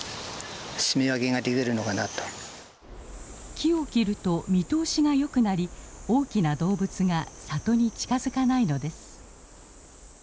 木を切ると見通しがよくなり大きな動物が里に近づかないのです。